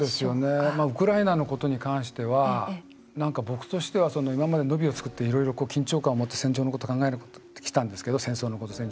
ウクライナのことに関しては僕としては今まで「野火」を作って緊張感を持って戦場のことを考えてきたんですけど戦場のこと。